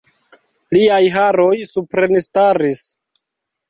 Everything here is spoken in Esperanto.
Liaj haroj suprenstaris.